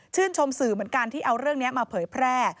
ชมสื่อเหมือนกันที่เอาเรื่องนี้มาเผยแพร่